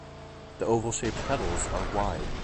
The oval-shaped petals are wide.